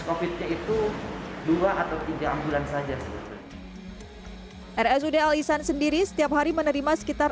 covid nya itu dua atau tiga ambulans saja rsud al ihsan sendiri setiap hari menerima sekitar